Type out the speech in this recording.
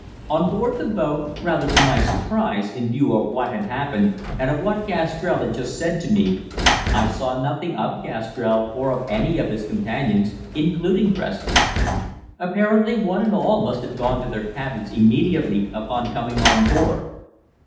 On board the boat, rather to my surprise in view of what had happened and of what Gastrell had just said to me, I saw nothing of Gastrell or of any of his companions, including Preston. Apparently one and all must have gone to their cabins immediately upon coming on board.